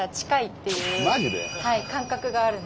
はい感覚があるので。